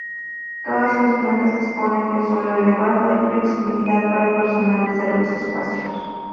Todas las plantas disponen de suelo elevado y flexibilidad para personalizar los espacios.